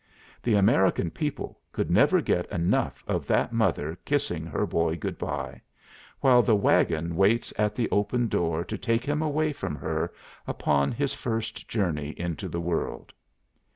The American people could never get enough of that mother kissing her boy goodbye, while the wagon waits at the open door to take him away from her upon his first journey into the world.